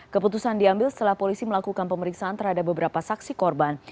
keputusan diambil setelah polisi melakukan pemeriksaan terhadap beberapa saksi korban